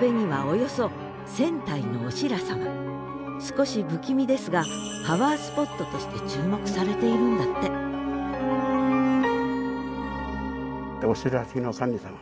壁にはおよそ少し不気味ですがパワースポットとして注目されているんだってお知らせの神様。